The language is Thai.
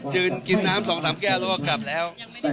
กินน้ำ๒๓แก้วแล้วก็กลับแล้ว